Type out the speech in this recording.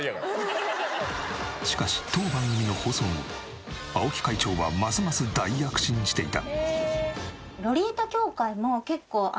しかし当番組の放送後青木会長はますます大躍進していた。